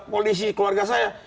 polisi keluarga saya